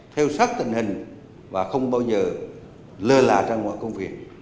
theo sắc tình hình và không bao giờ lơ lạ ra ngoài công việc